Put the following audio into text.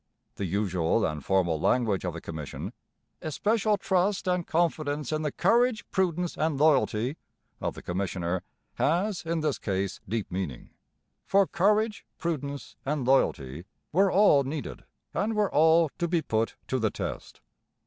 The usual and formal language of the commission, 'especial trust and confidence in the courage, prudence, and loyalty' of the commissioner, has in this case deep meaning; for courage, prudence, and loyalty were all needed, and were all to be put to the test.